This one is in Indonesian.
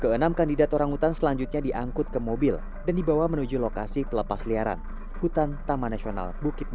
keenam kandidat orang hutan selanjutnya diangkut ke mobil dan dibawa menuju lokasi pelepas liaran hutan taman nasional bukit